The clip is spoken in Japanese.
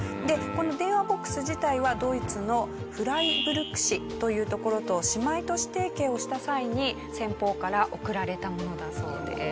この電話ボックス自体はドイツのフライブルク市という所と姉妹都市提携をした際に先方から贈られたものだそうです。